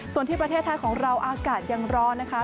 ส่วนที่ประเทศไทยของเราอากาศยังร้อนนะคะ